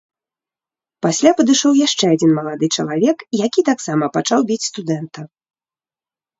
Пасля падышоў яшчэ адзін малады чалавек, які таксама пачаў біць студэнта.